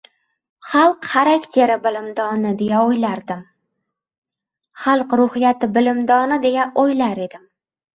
xalq xarakteri bilimdoni, deya o‘ylar edim, xalq ruhiyati bilimdoni, deya o‘ylar edim.